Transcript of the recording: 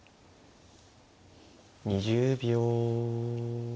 ２０秒。